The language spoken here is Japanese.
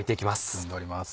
包んでおります。